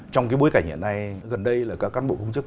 trong cái bối cảnh hiện nay gần đây là các cán bộ công chức